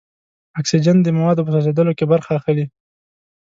اکسیجن د موادو په سوځیدلو کې برخه اخلي.